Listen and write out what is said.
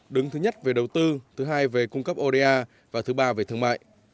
đứng thứ nhất về đầu tư thứ hai về cung cấp oda và thứ ba về thương mại